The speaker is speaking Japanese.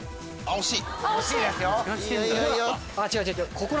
惜しい！